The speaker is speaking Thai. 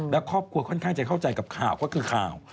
และครอบครัวค่อนข้างจะเข้าใจกับข่าวก็คือข่าว